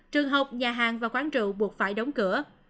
trường học nhà hàng và quán trụ buộc phải đóng cửa